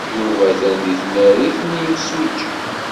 Yuba atan deg tnarit n yimsujji.